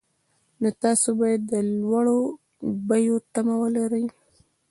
نو تاسو باید د لوړو بیو تمه ولرئ